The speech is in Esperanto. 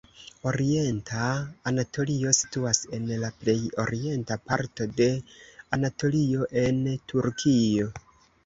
Orienta Anatolio situas en la plej orienta parto de Anatolio en Turkio.